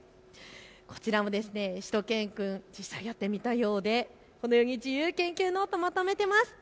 こちらもしゅと犬くん実際やってみたようでこのように自由研究ノートまとめています。